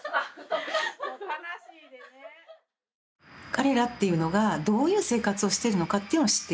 彼らっていうのがどういう生活をしてるのかっていうのを知って頂きたい。